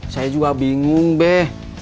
saya juga bingung beh